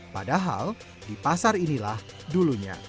padahal di pasar inilah dulunya